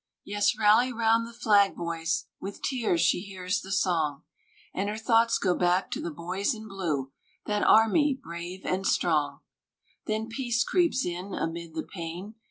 "Yes, rally round the flag, boys!" With tears she hears the song, And her thoughts go back to the boys in blue, That army, brave and strong Then Peace creeps in amid the pain.